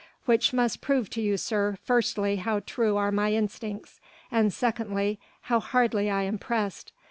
"Which must prove to you, sir, firstly how true are my instincts, and secondly how hardly I am pressed.